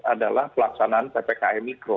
adalah pelaksanaan ppki mikro